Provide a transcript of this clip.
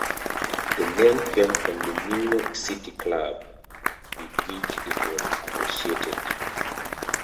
The name came from the New York City club with which it was associated.